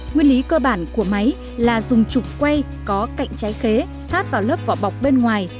nguyên lý cơ bản của máy là dùng trục quay có cạnh trái khế sát vào lớp vỏ bọc bên ngoài